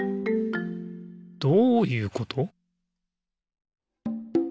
どういうこと？